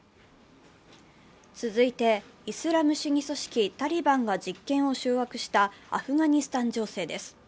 続いて、イスラム主義組織タリバンが実権を掌握したアフガニスタン情勢です。